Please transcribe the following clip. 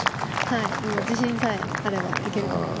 もう自信さえあれば行けると思います。